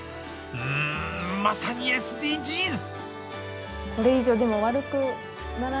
うーん、まさにＳＤＧｓ。